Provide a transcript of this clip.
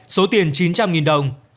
số tiền chín trăm linh đồng